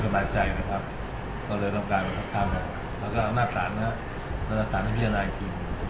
โปรดติดตามตอนต่อไป